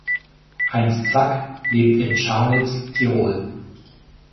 Heinz Zak lebt in Scharnitz, Tirol.